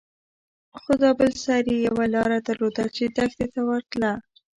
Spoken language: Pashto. خو دا بل سر يې يوه لاره درلوده چې دښتې ته وتله.